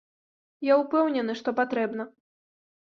Я ўпэўнены, што патрэбна.